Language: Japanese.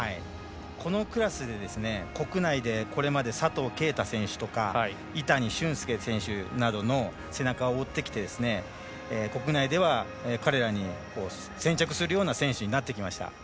このクラスで国内でこれまで佐藤圭太選手とか井谷俊介選手の背中を追ってきて国内では、彼らに先着するような選手になりました。